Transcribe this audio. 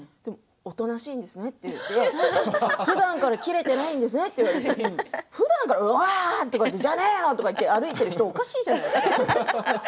おとなしいんですねって言われてふだんから切れてないんですねって言われてふだんから「じゃねえよ！」って言いながら歩いてる人っておかしいじゃないですか。